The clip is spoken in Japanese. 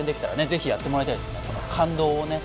ぜひやってもらいたいですね。